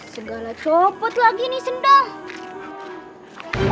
segala copot lagi nih sendah